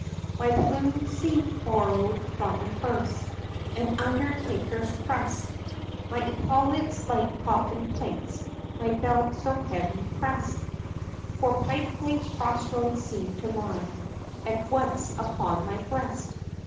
XV. My plume seem'd borrow'd from a hearse, An undertaker's crest; My epaulette's like coffin plates; My belt so heavy press'd, Four pipeclay cross roads seem'd to lie At once upon my breast.